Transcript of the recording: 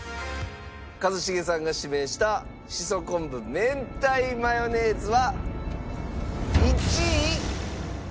一茂さんが指名したしそ昆布明太マヨネーズは１位。